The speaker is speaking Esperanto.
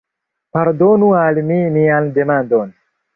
Pardonu al mi mian demandon!